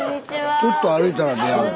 ちょっと歩いたら出会う。